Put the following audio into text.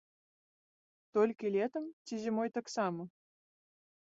Толькі летам, ці зімой таксама?